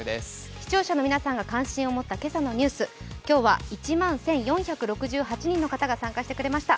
視聴者の皆さんが関心を持った今朝のニュース、今日は１万１４６８人の方が参加してくださいました。